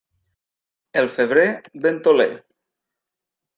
El febrer, ventoler.